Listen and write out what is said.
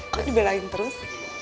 kok dibelain terus